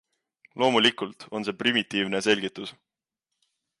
Loomulikult on see primitiivne selgitus.